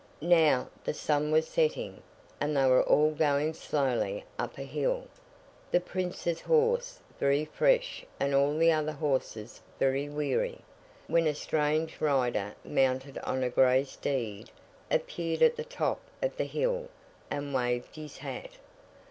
Now, the sun was setting, and they were all going slowly up a hill, the Prince's horse very fresh and all the other horses very weary, when a strange rider mounted on a grey steed appeared at the top of the hill, and waved his hat.